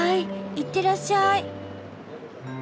いってらっしゃい。